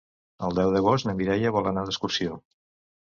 El deu d'agost na Mireia vol anar d'excursió.